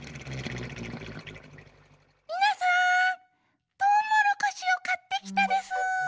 みなさんトウモロコシをかってきたでスー！